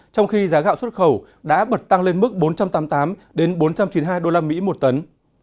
trong khi giá gạo xuất khẩu đã bật tăng lên mức bốn trăm tám mươi tám bốn trăm chín mươi hai usd một tấn